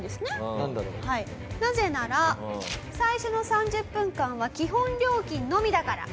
なぜなら最初の３０分間は基本料金のみだから。